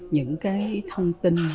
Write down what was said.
những cái thông tin